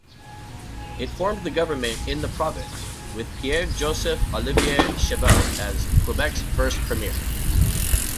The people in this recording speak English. It formed the government in the province, with Pierre-Joseph-Olivier Chauveau as Quebec's first premier.